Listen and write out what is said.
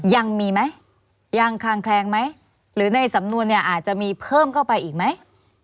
ยังมีไหมยังคลางแคลงไหมหรือในสำนวนเนี่ยอาจจะมีเพิ่มเข้าไปอีกไหม